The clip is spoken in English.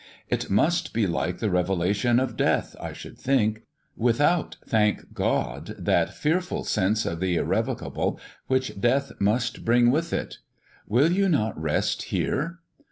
It must be like the revelation of death, I should think, without, thank God, that fearful sense of the irrevocable which death must bring with it. Will you not rest here?"